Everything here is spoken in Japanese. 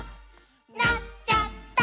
「なっちゃった！」